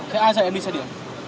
thế ai dạy em đi xe điện